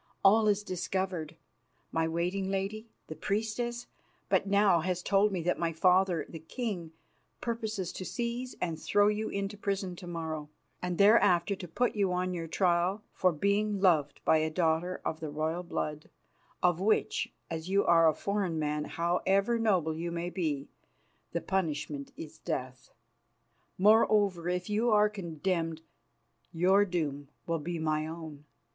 All is discovered. My waiting lady, the priestess, but now has told me that my father, the king, purposes to seize and throw you into prison to morrow, and thereafter to put you on your trial for being beloved by a daughter of the royal blood, of which, as you are a foreign man, however noble you may be, the punishment is death. Moreover, if you are condemned, your doom will be my own.